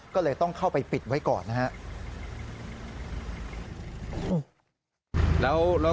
ก็เลยต้องเข้าไปปิดไว้ก่อนนะครับ